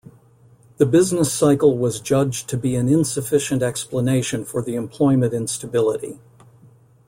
The business cycle was judged to be an insufficient explanation for the employment instability.